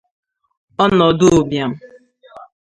ọnọdụ ụbịam